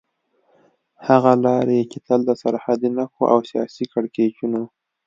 هغه لارې چې تل د سرحدي نښتو او سياسي کړکېچونو